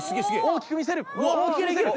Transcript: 大きく見せる！